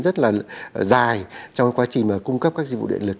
đây là một bước tiến rất là dài trong quá trình cung cấp các dịch vụ điện lực